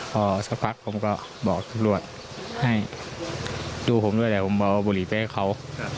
พอสักพักผมก็บอกตำรวจให้ดูผมด้วยแหละผมเอาบุหรี่ไปให้เขา